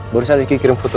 barusan riki kirim foto